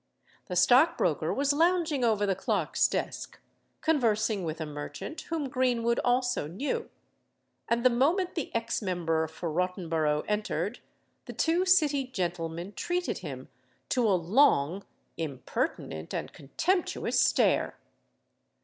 The stockbroker was lounging over the clerks' desk, conversing with a merchant whom Greenwood also knew; and the moment the ex member for Rottenborough entered, the two City gentlemen treated him to a long, impertinent, and contemptuous stare.